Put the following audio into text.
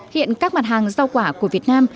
hiện các mặt hàng rau quả của việt nam